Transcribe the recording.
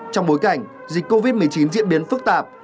trong bối cảnh dịch covid một mươi chín diễn biến phức tạp